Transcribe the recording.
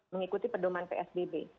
mengikuti perdoman psbb